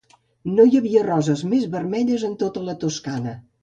No hi havia roses més vermelles en tota la Toscana.